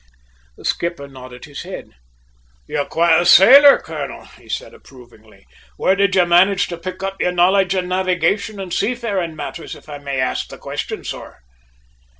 The skipper nodded his head. "You're quite a sailor, colonel," he said approvingly. "Where did you manage to pick up your knowledge of navigation and sea faring matters, if I may ask the question, sir?"